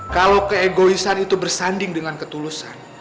kalau keegoisan itu bersanding dengan ketulusan